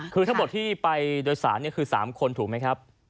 คือทั้งหมดที่ไปโดยสารคือ๓คนถูกไหมครับ